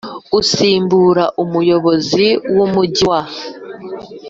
Gusimbura umuyobozi w umujyi wa